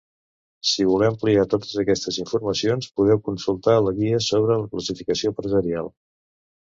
Si voleu ampliar totes aquestes informacions, podeu consultar la Guia sobre la classificació empresarial.